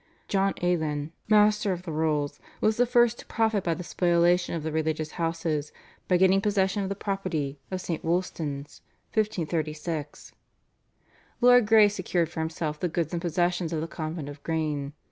John Alen, Master of the Rolls, was the first to profit by the spoliation of the religious houses by getting possession of the property of St. Wolstan's (1536), Lord Grey secured for himself the goods and possessions of the Convent of Grane.